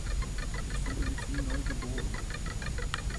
Ich fühle mich wie neugeboren.